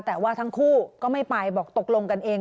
แต่ว่าทั้งคู่ก็ไม่ไปบอกตกลงกันเอง